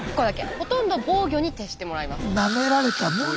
ほとんど防御に徹してもらいます。